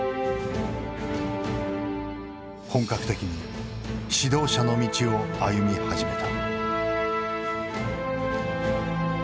本格的に指導者の道を歩み始めた。